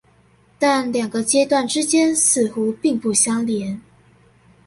但兩個階段之間似乎並不相連